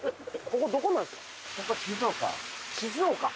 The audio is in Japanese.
ここどこなんですか？